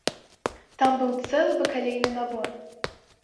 Там быў цэлы бакалейны набор.